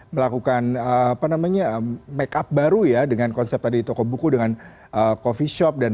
melakukan apa namanya make up baru ya dengan konsep tadi toko buku dengan coffee shop dan